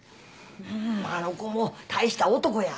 うんあの子も大した男や。